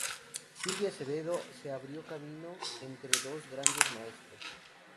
Silva Acevedo se abrió camino entre estos dos grandes maestros.